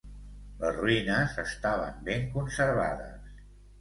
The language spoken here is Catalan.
Les ruïnes estaven ben conservades.